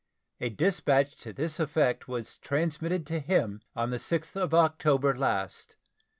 A dispatch to this effect was transmitted to him on the 6th of October last.